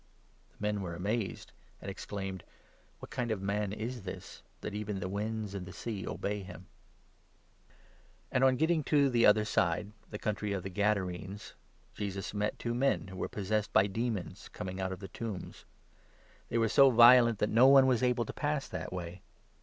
The men were amazed, and 27 exclaimed :" What kind of man is this, that even the winds and the sea obey him !" cure of two And on getting to the other side — the country 28 Madmen, of the Gadarenes — Jesus met two men who were possessed by demons, coming out of the tombs. They were so violent that no one was able to pass that way.